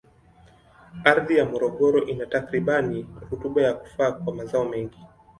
Ardhi ya Morogoro ina takribani rutuba ya kufaa kwa mazao mengi.